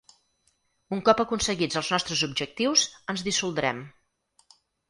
Un cop aconseguits els nostres objectius, ens dissoldrem.